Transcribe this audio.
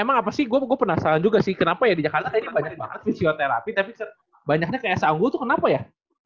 emang apa sih gue penasaran juga sih kenapa ya di jakarta ini banyak banget fisioterapi tapi banyaknya kayak sanggu tuh kenapa ya